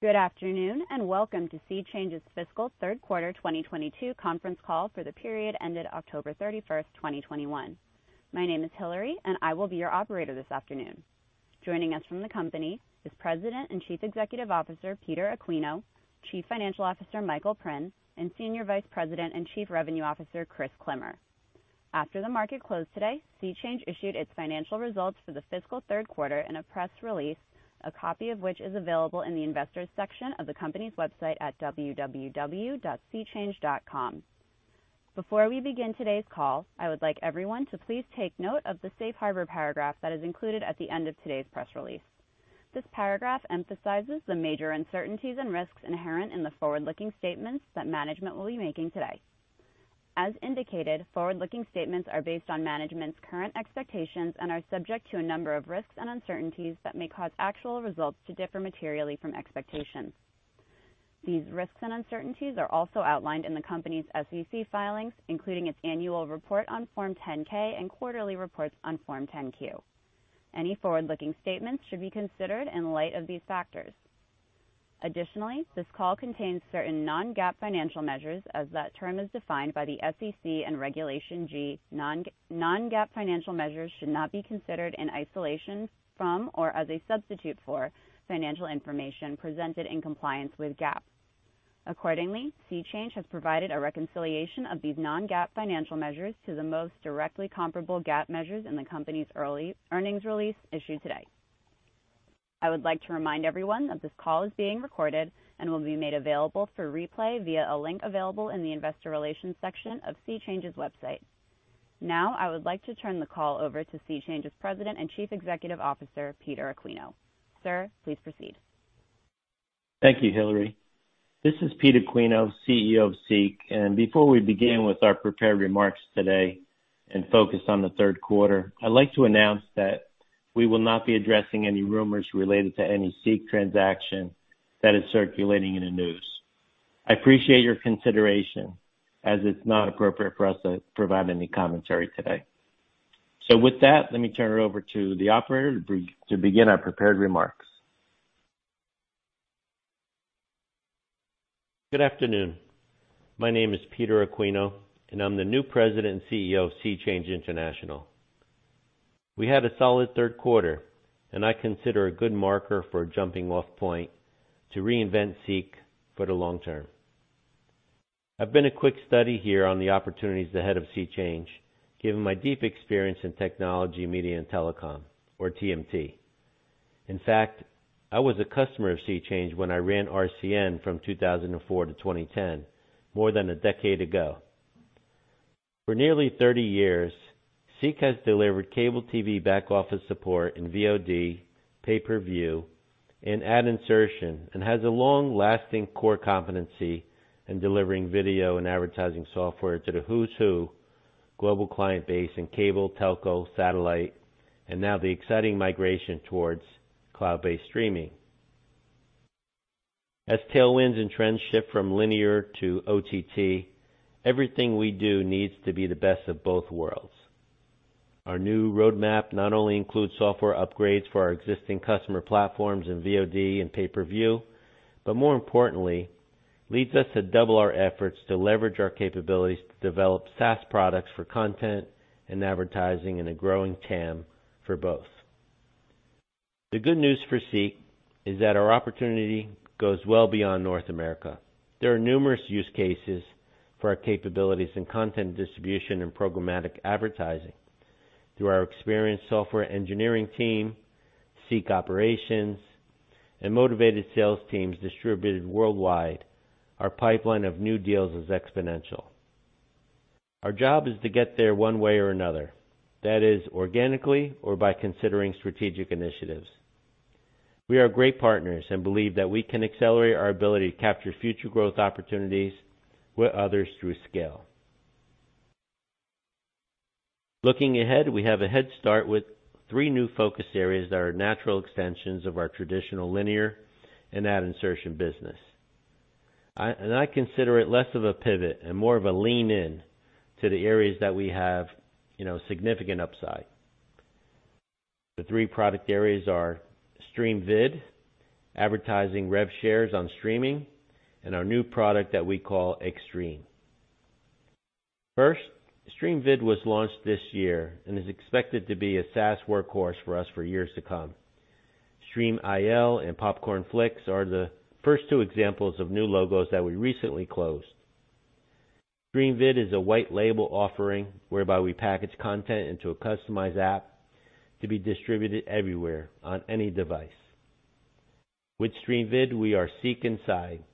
Good afternoon, and Welcome to SeaChange's Fiscal Third Quarter 2022 Conference Call for the period ended October 31, 2021. My name is Hillary, and I will be your operator this afternoon. Joining us from the company is President and Chief Executive Officer Peter Aquino, Chief Financial Officer Michael Prinn, and Senior Vice President and Chief Revenue Officer Chris Klimmer. After the market closed today, SeaChange issued its financial results for the fiscal third quarter in a press release, a copy of which is available in the Investors section of the company's website at www.seachange.com. Before we begin today's call, I would like everyone to please take note of the Safe Harbor paragraph that is included at the end of today's press release. This paragraph emphasizes the major uncertainties and risks inherent in the forward-looking statements that management will be making today. As indicated, forward-looking statements are based on management's current expectations and are subject to a number of risks and uncertainties that may cause actual results to differ materially from expectations. These risks and uncertainties are also outlined in the company's SEC filings, including its annual report on Form 10-K and quarterly reports on Form 10-Q. Any forward-looking statements should be considered in light of these factors. Additionally, this call contains certain non-GAAP financial measures as that term is defined by the SEC and Regulation G. Non-GAAP financial measures should not be considered in isolation from or as a substitute for financial information presented in compliance with GAAP. Accordingly, SeaChange has provided a reconciliation of these non-GAAP financial measures to the most directly comparable GAAP measures in the company's earlier earnings release issued today. I would like to remind everyone that this call is being recorded and will be made available for replay via a link available in the Investor Relations section of SeaChange's website. Now, I would like to turn the call over to SeaChange's President and Chief Executive Officer, Peter Aquino. Sir, please proceed. Thank you, Hillary. This is Peter Aquino, CEO of SeaChange, and before we begin with our prepared remarks today and focus on the third quarter, I'd like to announce that we will not be addressing any rumors related to any SeaChange transaction that is circulating in the news. I appreciate your consideration as it's not appropriate for us to provide any commentary today. With that, let me turn it over to the operator to begin our prepared remarks. Good afternoon. My name is Peter Aquino, and I'm the new President and CEO of SeaChange International. We had a solid third quarter, and I consider it a good marker for a jumping-off point to reinvent SeaChange for the long term. I've been a quick study here on the opportunities ahead of SeaChange, given my deep experience in technology, media, and telecom, or TMT. In fact, I was a customer of SeaChange when I ran RCN from 2004-2010, more than a decade ago. For nearly 30 years, SeaChange has delivered cable TV back-office support in VOD, pay-per-view, and ad insertion, and has a long-lasting core competency in delivering video and advertising software to the who's who global client base in cable, telco, satellite, and now the exciting migration towards cloud-based streaming. As tailwinds and trends shift from linear to OTT, everything we do needs to be the best of both worlds. Our new roadmap not only includes software upgrades for our existing customer platforms in VOD and pay-per-view, but more importantly, leads us to double our efforts to leverage our capabilities to develop SaaS products for content and advertising in a growing TAM for both. The good news for SeaChange is that our opportunity goes well beyond North America. There are numerous use cases for our capabilities in content distribution and programmatic advertising. Through our experienced software engineering team, SeaChange operations, and motivated sales teams distributed worldwide, our pipeline of new deals is exponential. Our job is to get there one way or another, that is, organically or by considering strategic initiatives. We are great partners and believe that we can accelerate our ability to capture future growth opportunities with others through scale. Looking ahead, we have a head start with three new focus areas that are natural extensions of our traditional linear and ad insertion business. I, and I consider it less of a pivot and more of a lean in to the areas that we have, you know, significant upside. The three product areas are StreamVid, advertising rev shares on streaming, and our new product that we call Xstream. First, StreamVid was launched this year and is expected to be a SaaS workhorse for us for years to come. Screen iL and Popcornflix are the first two examples of new logos that we recently closed. StreamVid is a white label offering whereby we package content into a customized app to be distributed everywhere on any device. With StreamVid, we are SEAC inside.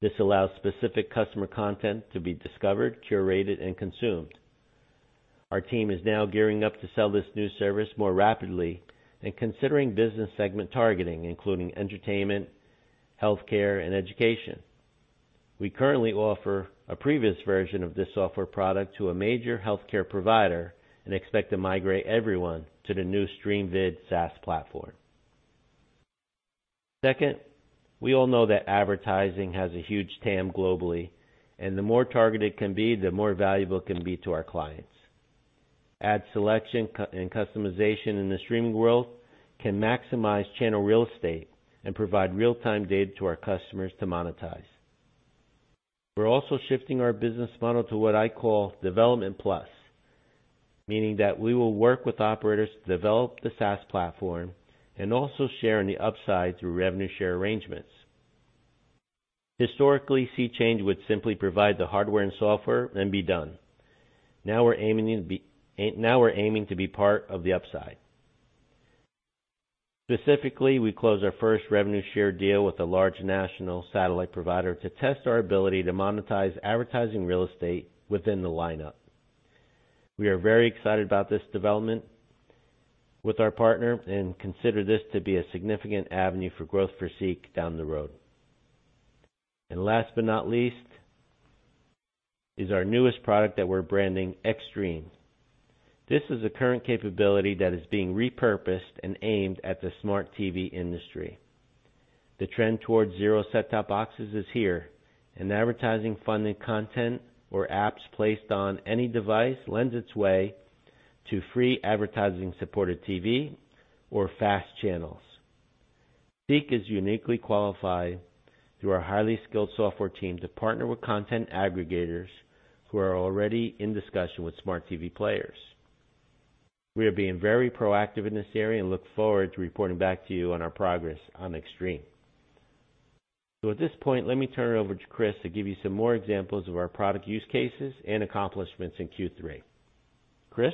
This allows specific customer content to be discovered, curated, and consumed. Our team is now gearing up to sell this new service more rapidly and considering business segment targeting, including entertainment, healthcare, and education. We currently offer a previous version of this software product to a major healthcare provider and expect to migrate everyone to the new StreamVid SaaS platform. Second, we all know that advertising has a huge TAM globally, and the more targeted it can be, the more valuable it can be to our clients. Ad selection and customization in the streaming world can maximize channel real estate and provide real-time data to our customers to monetize. We're also shifting our business model to what I call development plus, meaning that we will work with operators to develop the SaaS platform and also share in the upside through revenue share arrangements. Historically, SeaChange would simply provide the hardware and software and be done. Now we're aiming to be part of the upside. Specifically, we closed our first revenue share deal with a large national satellite provider to test our ability to monetize advertising real estate within the lineup. We are very excited about this development with our partner and consider this to be a significant avenue for growth for SeaChange down the road. Last but not least is our newest product that we're branding Xstream. This is a current capability that is being repurposed and aimed at the smart TV industry. The trend towards zero set-top boxes is here, and advertising-funded content or apps placed on any device lends its way to free advertising-supported TV or FAST channels. SeaChange is uniquely qualified through our highly skilled software team to partner with content aggregators who are already in discussion with smart TV players. We are being very proactive in this area and look forward to reporting back to you on our progress on Xstream. At this point, let me turn it over to Chris to give you some more examples of our product use cases and accomplishments in Q3. Chris.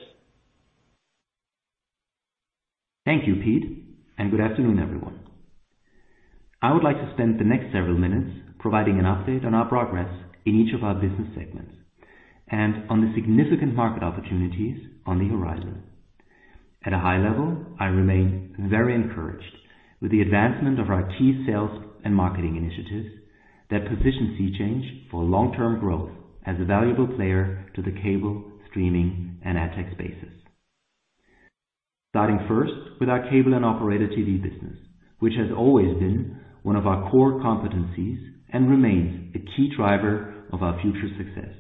Thank you, Pete, and good afternoon, everyone. I would like to spend the next several minutes providing an update on our progress in each of our business segments and on the significant market opportunities on the horizon. At a high level, I remain very encouraged with the advancement of our key sales and marketing initiatives that position SeaChange for long-term growth as a valuable player to the cable, streaming, and ad tech spaces. Starting first with our cable and operator TV business, which has always been one of our core competencies and remains a key driver of our future success.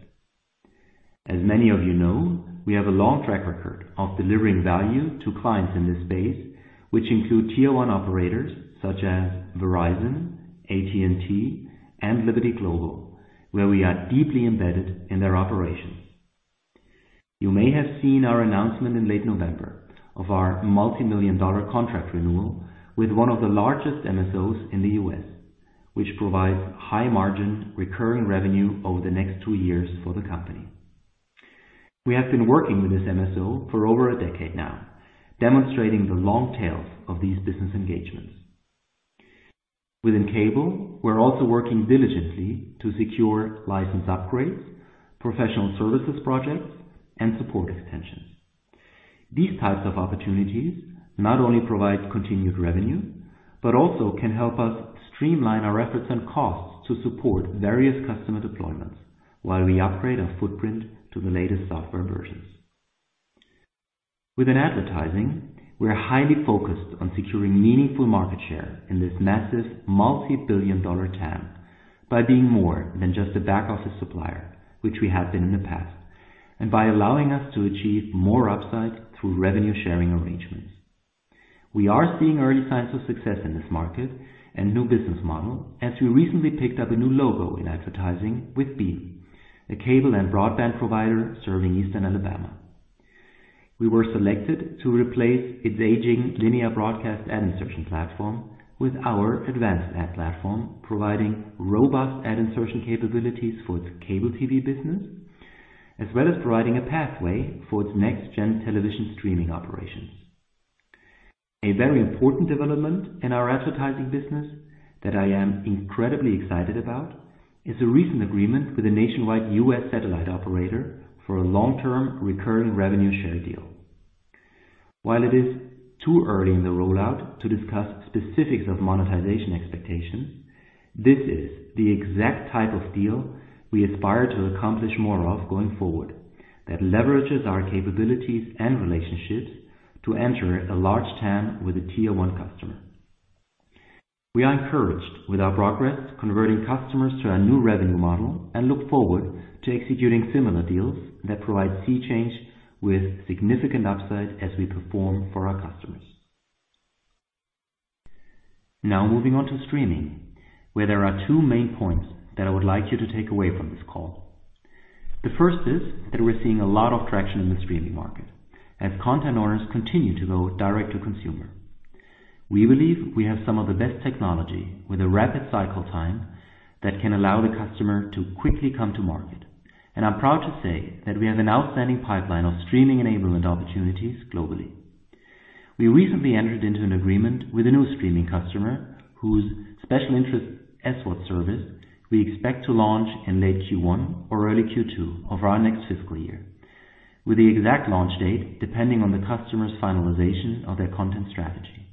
As many of you know, we have a long track record of delivering value to clients in this space, which include tier-one operators such as Verizon, AT&T, and Liberty Global, where we are deeply embedded in their operations. You may have seen our announcement in late November of our multimillion-dollar contract renewal with one of the largest MSOs in the U.S., which provides high margin recurring revenue over the next two years for the company. We have been working with this MSO for over a decade now, demonstrating the long tails of these business engagements. Within cable, we're also working diligently to secure license upgrades, professional services projects, and support extensions. These types of opportunities not only provide continued revenue, but also can help us streamline our efforts and costs to support various customer deployments while we upgrade our footprint to the latest software versions. Within advertising, we are highly focused on securing meaningful market share in this massive multi-billion-dollar TAM by being more than just a back office supplier, which we have been in the past, and by allowing us to achieve more upside through revenue sharing arrangements. We are seeing early signs of success in this market and new business model as we recently picked up a new logo in advertising with BEAM, a cable and broadband provider serving East Alabama. We were selected to replace its aging linear broadcast ad insertion platform with our advanced ad platform, providing robust ad insertion capabilities for its cable TV business, as well as providing a pathway for its next-gen television streaming operations. A very important development in our advertising business that I am incredibly excited about is a recent agreement with a nationwide U.S. satellite operator for a long-term recurring revenue share deal. While it is too early in the rollout to discuss specifics of monetization expectations, this is the exact type of deal we aspire to accomplish more of going forward that leverages our capabilities and relationships to enter a large TAM with a tier one customer. We are encouraged with our progress converting customers to our new revenue model and look forward to executing similar deals that provide SeaChange with significant upside as we perform for our customers. Now moving on to streaming, where there are two main points that I would like you to take away from this call. The first is that we're seeing a lot of traction in the streaming market as content owners continue to go direct to consumer. We believe we have some of the best technology with a rapid cycle time that can allow the customer to quickly come to market. I'm proud to say that we have an outstanding pipeline of streaming enablement opportunities globally. We recently entered into an agreement with a new streaming customer whose special interest SVOD service we expect to launch in late Q1 or early Q2 of our next fiscal year, with the exact launch date depending on the customer's finalization of their content strategy.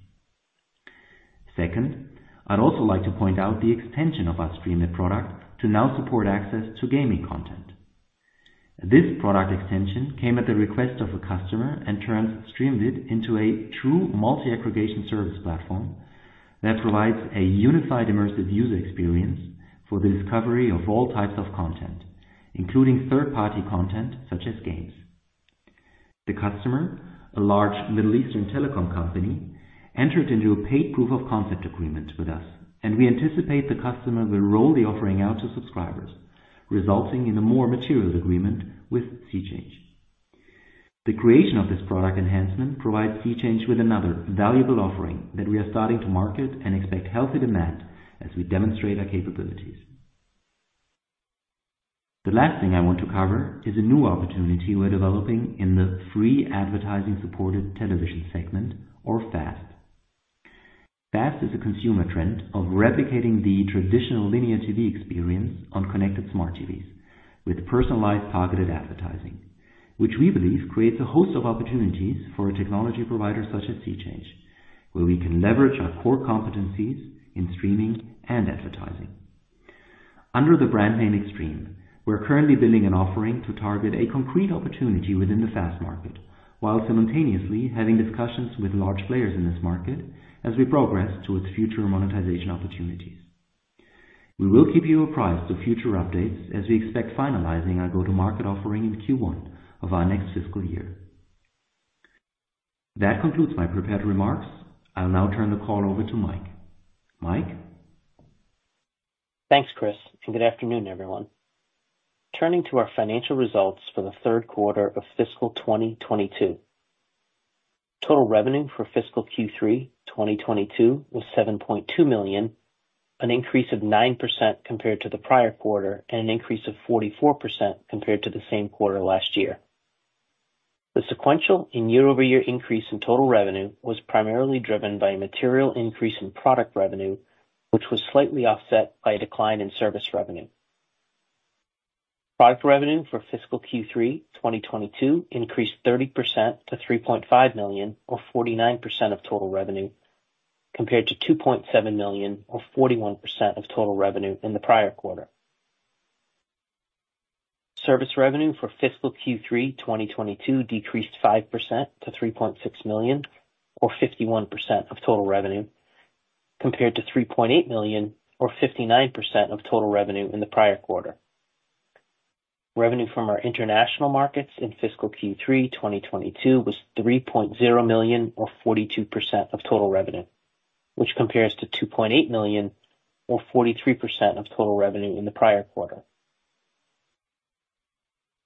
Second, I'd also like to point out the extension of our StreamVid product to now support access to gaming content. This product extension came at the request of a customer and turns StreamVid into a true multi-aggregation service platform that provides a unified, immersive user experience for the discovery of all types of content, including third party content such as games. The customer, a large Middle Eastern telecom company, entered into a paid proof of concept agreement with us, and we anticipate the customer will roll the offering out to subscribers, resulting in a more material agreement with SeaChange. The creation of this product enhancement provides SeaChange with another valuable offering that we are starting to market and expect healthy demand as we demonstrate our capabilities. The last thing I want to cover is a new opportunity we're developing in the Free Advertising Supported Television segment, or FAST. FAST is a consumer trend of replicating the traditional linear TV experience on connected smart TVs with personalized targeted advertising, which we believe creates a host of opportunities for a technology provider such as SeaChange, where we can leverage our core competencies in Streaming and Advertising. Under the brand name Xstream, we're currently building an offering to target a concrete opportunity within the FAST market, while simultaneously having discussions with large players in this market as we progress towards future monetization opportunities. We will keep you apprised of future updates as we expect finalizing our go-to-market offering in Q1 of our next fiscal year. That concludes my prepared remarks. I'll now turn the call over to Mike. Mike? Thanks, Chris, and good afternoon, everyone. Turning to our financial results for the third quarter of fiscal 2022. Total revenue for fiscal Q3 2022 was $7.2 million, an increase of 9% compared to the prior quarter, and an increase of 44% compared to the same quarter last year. The sequential and year-over-year increase in total revenue was primarily driven by a material increase in product revenue, which was slightly offset by a decline in service revenue. Product revenue for fiscal Q3 2022 increased 30% to $3.5 million or 49% of total revenue, compared to $2.7 million or 41% of total revenue in the prior quarter. Service revenue for fiscal Q3 2022 decreased 5% to $3.6 million or 51% of total revenue, compared to $3.8 million or 59% of total revenue in the prior quarter. Revenue from our international markets in fiscal Q3 2022 was $3.0 million or 42% of total revenue, which compares to $2.8 million or 43% of total revenue in the prior quarter.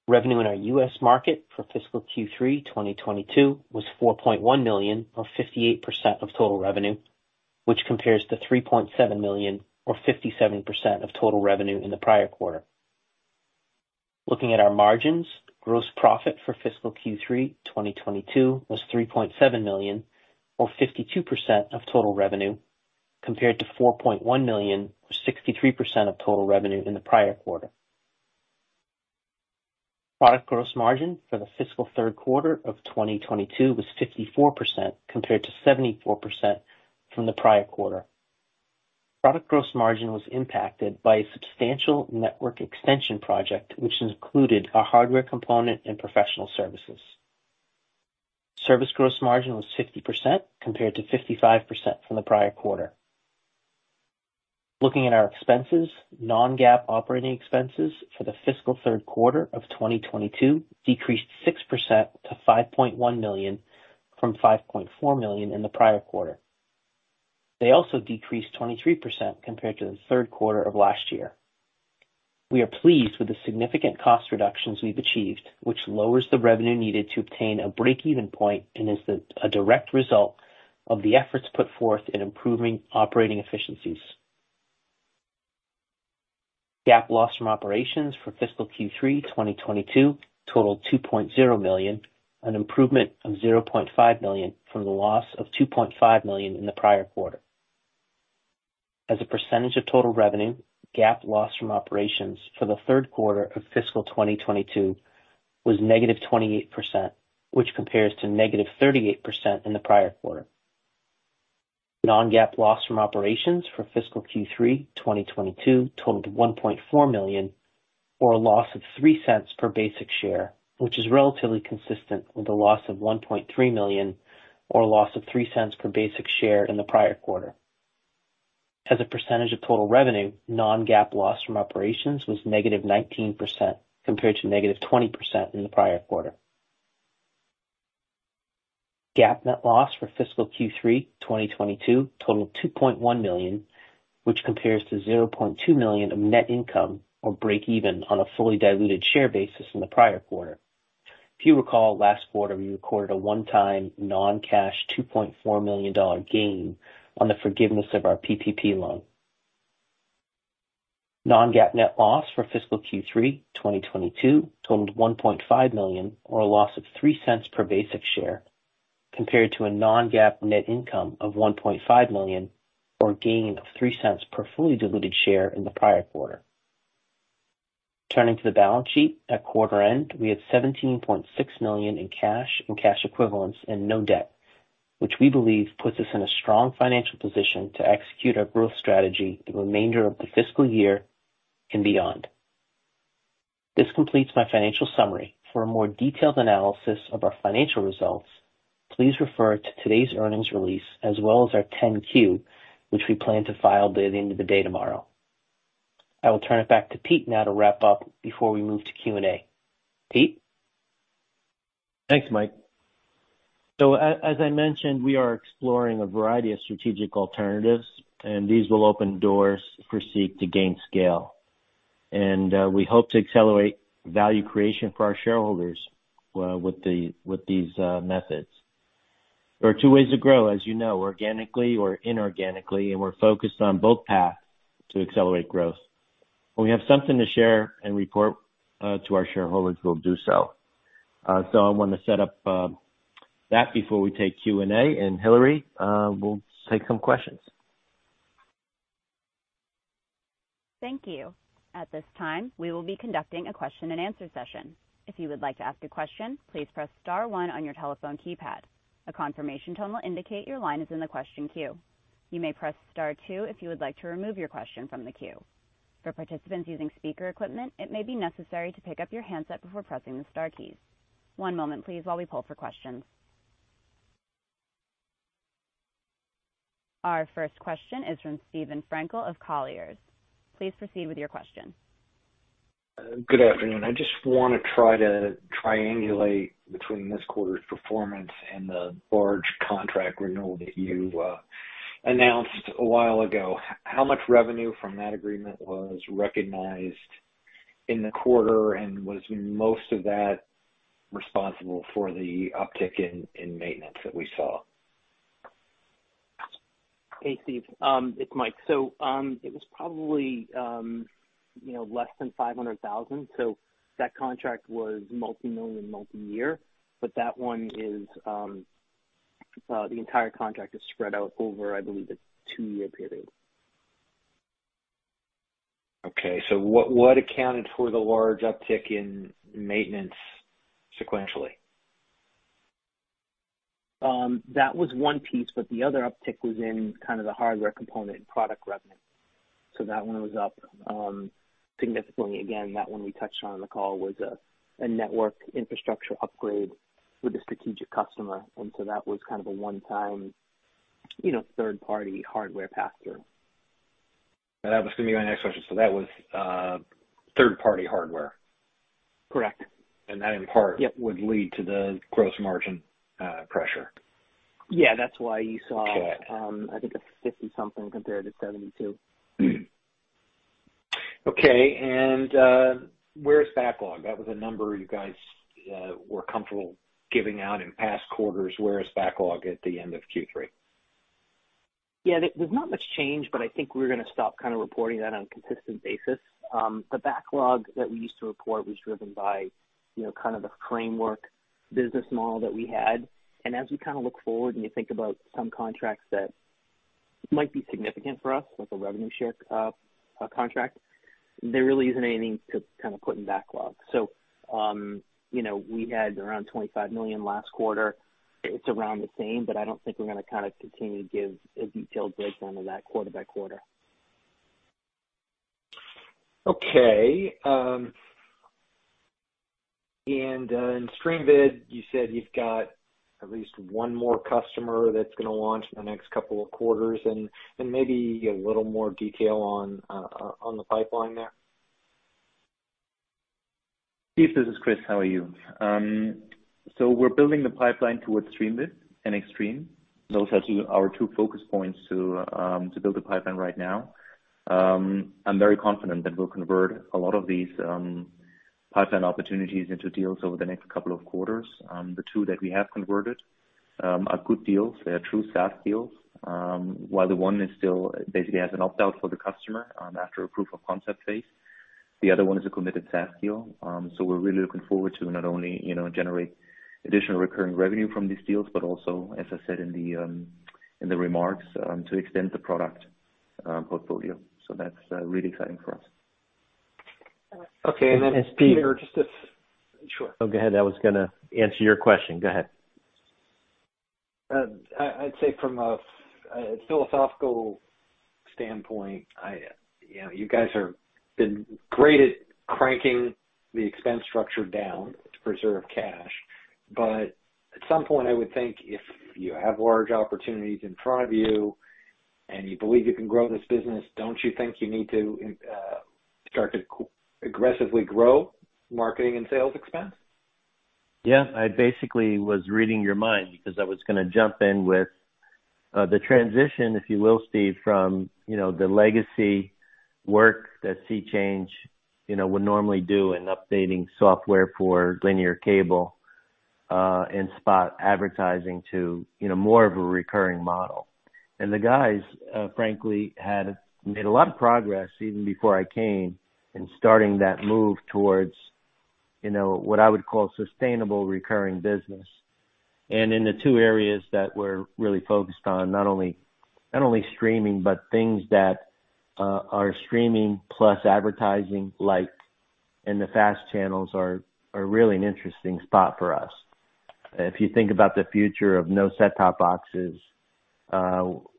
Revenue in our U.S. market for fiscal Q3 2022 was $4.1 million or 58% of total revenue, which compares to $3.7 million or 57% of total revenue in the prior quarter. Looking at our margins. Gross profit for fiscal Q3 2022 was $3.7 million or 52% of total revenue, compared to $4.1 million or 63% of total revenue in the prior quarter. Product gross margin for the fiscal third quarter of 2022 was 54% compared to 74% from the prior quarter. Product gross margin was impacted by a substantial network extension project, which included a hardware component and professional services. Service gross margin was 50% compared to 55% from the prior quarter. Looking at our expenses. Non-GAAP operating expenses for the fiscal third quarter of 2022 decreased 6% to $5.1 million from $5.4 million in the prior quarter. They also decreased 23% compared to the third quarter of last year. We are pleased with the significant cost reductions we've achieved, which lowers the revenue needed to obtain a break-even point and is a direct result of the efforts put forth in improving operating efficiencies. GAAP loss from operations for fiscal Q3 2022 totaled $2.0 million, an improvement of $0.5 million from the loss of $2.5 million in the prior quarter. As a % of total revenue, GAAP loss from operations for the third quarter of fiscal 2022 was -28%, which compares to -38% in the prior quarter. Non-GAAP loss from operations for fiscal Q3 2022 totaled $1.4 million or a loss of $0.03 per basic share, which is relatively consistent with a loss of $1.3 million or a loss of $0.03 per basic share in the prior quarter. As a % of total revenue, non-GAAP loss from operations was negative 19%, compared to negative 20% in the prior quarter. GAAP net loss for fiscal Q3 2022 totaled $2.1 million, which compares to $0.2 million of net income or break even on a fully diluted share basis in the prior quarter. If you recall, last quarter we recorded a one-time non-cash $2.4 million gain on the forgiveness of our PPP loan. Non-GAAP net loss for fiscal Q3 2022 totaled $1.5 million, or a loss of $0.03 per basic share, compared to a non-GAAP net income of $1.5 million, or a gain of $0.03 per fully diluted share in the prior quarter. Turning to the balance sheet, at quarter end, we had $17.6 million in cash and cash equivalents and no debt, which we believe puts us in a strong financial position to execute our growth strategy the remainder of the fiscal year and beyond. This completes my financial summary. For a more detailed analysis of our financial results, please refer to today's earnings release as well as our 10-Q, which we plan to file by the end of the day tomorrow. I will turn it back to Pete now to wrap up before we move to Q&A. Pete? Thanks, Mike. As I mentioned, we are exploring a variety of strategic alternatives and these will open doors for SEAC to gain scale. We hope to accelerate value creation for our shareholders with these methods. There are two ways to grow, as you know, organically or inorganically, and we're focused on both paths to accelerate growth. When we have something to share and report to our shareholders, we'll do so. I wanna set up that before we take Q&A. Hillary, we'll take some questions. Thank you. At this time, we will be conducting a question-and-answer session. If you would like to ask a question, please press star one on your telephone keypad. A confirmation tone will indicate your line is in the question queue. You may press star two if you would like to remove your question from the queue. For participants using speaker equipment, it may be necessary to pick up your handset before pressing the star keys. One moment, please, while we poll for questions. Our first question is from Steven Frankel of Colliers. Please proceed with your question. Good afternoon. I just wanna try to triangulate between this quarter's performance and the large contract renewal that you announced a while ago. How much revenue from that agreement was recognized in the quarter, and was most of that responsible for the uptick in maintenance that we saw? Hey, Steve, it's Mike. It was probably, you know, less than $500,000. That contract was multi-million, multi-year, but that one is the entire contract spread out over, I believe, a two-year period. Okay. What accounted for the large uptick in maintenance sequentially? That was one piece, but the other uptick was in kind of the hardware component and product revenue. That one was up significantly. Again, that one we touched on in the call was a network infrastructure upgrade with a strategic customer. That was kind of a one-time, you know, third-party hardware pass-through. That was gonna be my next question. That was third-party hardware? Correct. That in part Yep. Would lead to the gross margin pressure? Yeah, that's why you saw. Okay. I think a 50%-something compared to 72%. Okay. Where's backlog? That was a number you guys were comfortable giving out in past quarters. Where is backlog at the end of Q3? Yeah. There's not much change, but I think we're gonna stop kind of reporting that on a consistent basis. The backlog that we used to report was driven by, you know, kind of the framework business model that we had. As we kinda look forward and you think about some contracts that might be significant for us, like a revenue share contract, there really isn't anything to kind of put in backlog. You know, we had around $25 million last quarter. It's around the same, but I don't think we're gonna kinda continue to give a detailed breakdown of that quarter by quarter. Okay. In StreamVid, you said you've got at least one more customer that's gonna launch in the next couple of quarters and maybe a little more detail on the pipeline there? Steven, this is Chris. How are you? We're building the pipeline towards StreamVid and Xstream. Those are our two focus points to build a pipeline right now. I'm very confident that we'll convert a lot of these pipeline opportunities into deals over the next couple of quarters. The two that we have converted are good deals. They are true SaaS deals. While the one is still basically has an opt-out for the customer after a proof of concept phase, the other one is a committed SaaS deal. We're really looking forward to not only, you know, generate additional recurring revenue from these deals, but also, as I said in the remarks, to extend the product portfolio. That's really exciting for us. Okay. Steven Peter, sure. Oh, go ahead. I was gonna answer your question. Go ahead. I'd say from a philosophical standpoint, you know, you guys have been great at cranking the expense structure down to preserve cash. At some point, I would think if you have large opportunities in front of you and you believe you can grow this business, don't you think you need to start to aggressively grow marketing and sales expense? Yeah. I basically was reading your mind because I was gonna jump in with the transition, if you will, Steve, from, you know, the legacy work that SeaChange, you know, would normally do in updating software for linear cable and spot advertising to, you know, more of a recurring model. The guys, frankly, had made a lot of progress even before I came in starting that move towards, you know, what I would call sustainable recurring business. In the two areas that we're really focused on, not only streaming, but things that are streaming plus advertising light and the FAST channels are really an interesting spot for us. If you think about the future of no set-top boxes,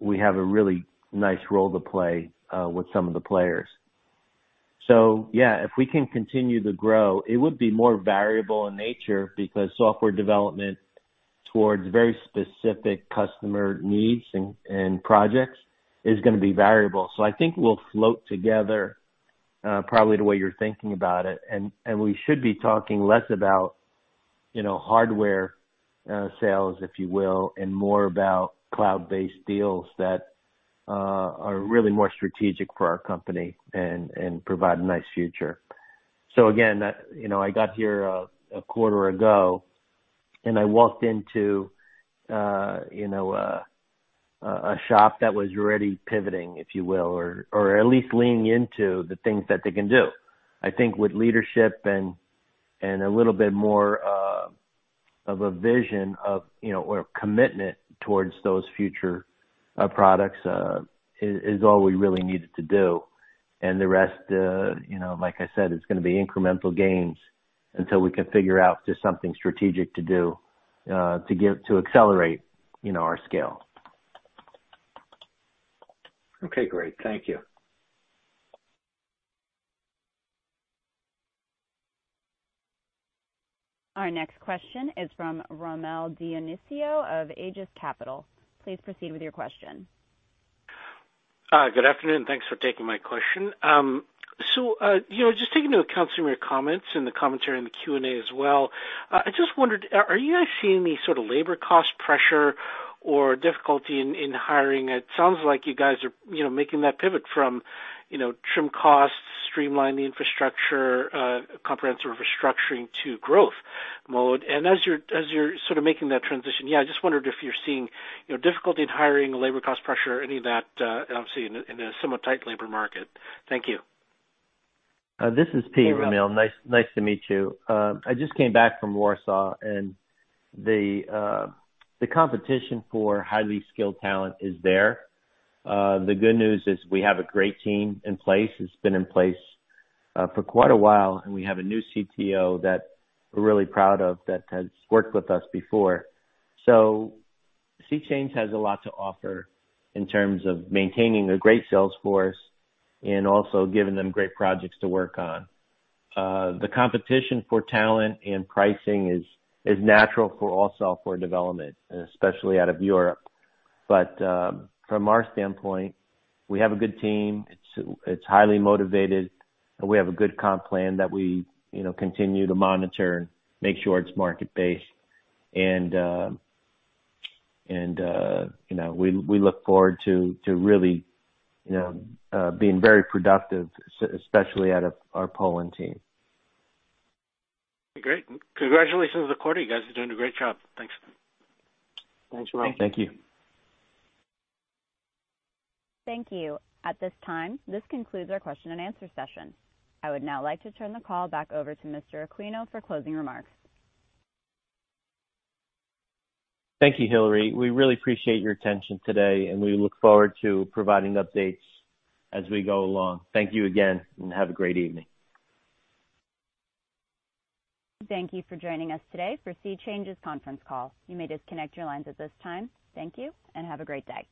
we have a really nice role to play with some of the players. Yeah, if we can continue to grow, it would be more variable in nature because software development towards very specific customer needs and projects is gonna be variable. I think we'll float together, probably the way you're thinking about it. We should be talking less about, you know, hardware sales, if you will, and more about cloud-based deals that are really more strategic for our company and provide a nice future. Again, you know, I got here a quarter ago, and I walked into, you know, a shop that was already pivoting, if you will, or at least leaning into the things that they can do. I think with leadership and a little bit more of a vision of, you know, or commitment towards those future products is all we really needed to do. The rest, you know, like I said, it's gonna be incremental gains until we can figure out just something strategic to do to accelerate, you know, our scale. Okay, great. Thank you. Our next question is from Rommel Dionisio of Aegis Capital. Please proceed with your question. Good afternoon. Thanks for taking my question. So, you know, just taking into account some of your comments and the commentary in the Q&A as well, I just wondered, are you guys seeing any sort of labor cost pressure or difficulty in hiring? It sounds like you guys are, you know, making that pivot from, you know, trim costs, streamlining infrastructure, comprehensive restructuring to growth mode. As you're sort of making that transition, yeah, I just wondered if you're seeing, you know, difficulty in hiring, labor cost pressure, any of that, obviously in a somewhat tight labor market. Thank you. This is Pete, Rommel. Nice to meet you. I just came back from Warsaw, and the competition for highly skilled talent is there. The good news is we have a great team in place. It's been in place for quite a while, and we have a new CTO that we're really proud of that has worked with us before. SeaChange has a lot to offer in terms of maintaining a great sales force and also giving them great projects to work on. The competition for talent and pricing is natural for all software development, especially out of Europe. From our standpoint, we have a good team. It's highly motivated, and we have a good comp plan that we, you know, continue to monitor and make sure it's market-based. You know, we look forward to really, you know, being very productive, especially out of our Poland team. Great. Congratulations on the quarter. You guys are doing a great job. Thanks. Thanks, Rommel. Thank you. Thank you. At this time, this concludes our question and answer session. I would now like to turn the call back over to Mr. Aquino for closing remarks. Thank you, Hillary. We really appreciate your attention today, and we look forward to providing updates as we go along. Thank you again, and have a great evening. Thank you for joining us today for SeaChange's conference call. You may disconnect your lines at this time. Thank you, and have a great day.